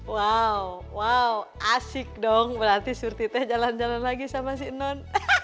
wow asik dong berarti surti teh jalan jalan lagi sama si non